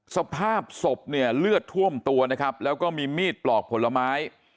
สภาพศพเนี่ยเลือดท่วมตัวนะครับแล้วก็มีมีดปลอกผลไม้